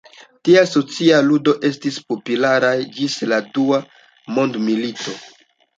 Tiaj sociaj ludoj estis popularaj ĝis la Dua Mondmilito.